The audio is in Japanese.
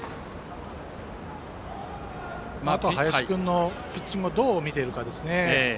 あとは林君のピッチングをどう見ているかですね。